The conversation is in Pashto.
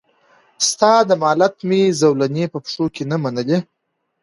ستا د مالت مي زولنې په پښو کي نه منلې